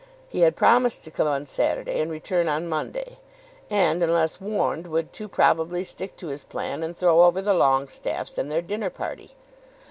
He had promised to come on Saturday and return on Monday, and, unless warned, would too probably stick to his plan and throw over the Longestaffes and their dinner party.